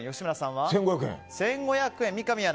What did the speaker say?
１５００円。